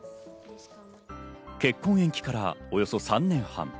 結婚延期からおよそ３年半。